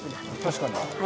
確かに。